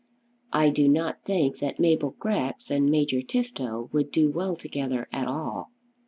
"I do not think that Mabel Grex and Major Tifto would do well together at all."